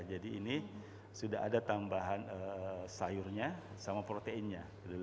ini sudah ada tambahan sayurnya sama proteinnya